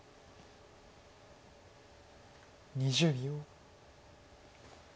２０秒。